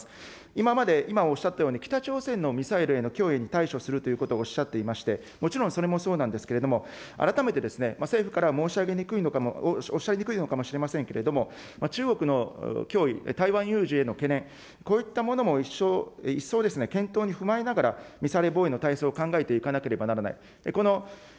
今まで今おっしゃったように、北朝鮮のミサイルへの脅威に対処するということをおっしゃっていまして、もちろんそれもそうなんですけれども、改めてですね、政府からは申し上げにくいのかも、おっしゃりにくいのかもしれませんけれども、中国の脅威、台湾有事への懸念、こういったものも一層検討に踏まえながら、ミサイル防衛のたいせいを考えていかなければならない。